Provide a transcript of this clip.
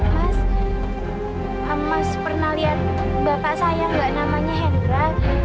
mas mas pernah lihat bapak saya enggak namanya hendra